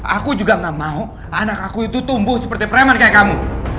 aku juga gak mau anak aku itu tumbuh seperti preman kayak kamu